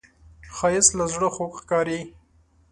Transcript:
ښایست له زړه خوږ ښکاري